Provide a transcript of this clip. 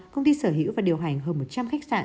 công ty sở hữu và điều hành hơn một trăm linh khách sạn